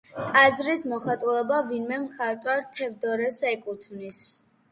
ტაძრის მოხატულობა ვინმე მხატვარ თევდორეს ეკუთვნის.